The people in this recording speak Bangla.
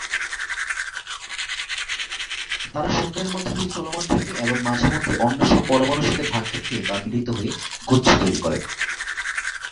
তারা শূন্যের মধ্যে দিয়ে চলমান থাকে এবং মাঝেমধ্যে অন্য সব পরমাণুর সাথে ধাক্কা খেয়ে বা মিলিত হয়ে গুচ্ছ তৈরি করে।